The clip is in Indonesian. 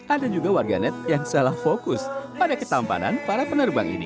ada juga warganet yang salah fokus pada ketampanan para penerbang ini